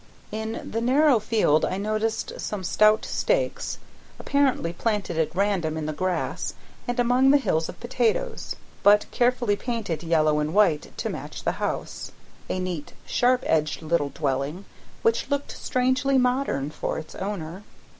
In the narrow field I noticed some stout stakes, apparently planted at random in the grass and among the hills of potatoes, but carefully painted yellow and white to match the house, a neat sharp edged little dwelling, which looked strangely modern for its owner.